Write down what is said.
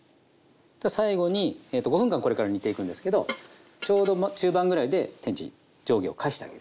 最後にえと５分間これから煮ていくんですけどちょうど中盤ぐらいで天地上下を返してあげるという。